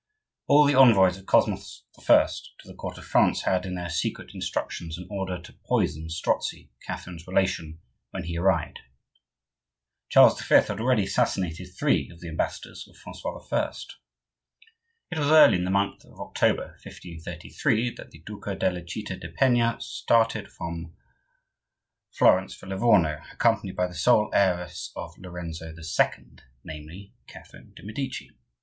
All the envoys of Cosmos I. to the court of France had, in their secret instructions, an order to poison Strozzi, Catherine's relation, when he arrived. Charles V. had already assassinated three of the ambassadors of Francois I. It was early in the month of October, 1533, that the Duca della citta di Penna started from Florence for Livorno, accompanied by the sole heiress of Lorenzo II., namely, Catherine de' Medici.